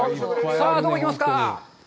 さあ、どこ行きますか？